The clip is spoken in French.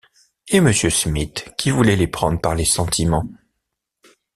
Et Monsieur Smith qui voulait les prendre par les sentiments!